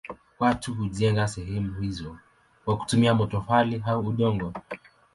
Watu hujenga sehemu hizo kwa kutumia matofali au udongo.